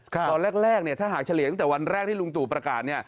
ตอนแรกถ้าหากเฉลี่ยตั้งแต่วันแรกที่ลุงตู่ประกาศ